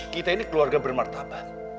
kita ini keluarga bermertabat